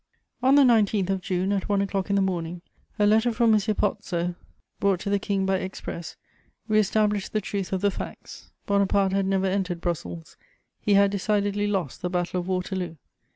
On the 19th of June, at one o'clock in the morning, a letter from M. Pozzo, brought to the King by express, reestablished the truth of the facts. Bonaparte had never entered Brussels; he had decidedly lost the Battle of Waterloo.